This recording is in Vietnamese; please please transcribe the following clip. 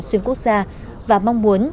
xuyên quốc gia và mong muốn